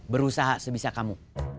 berusaha sebisa kamu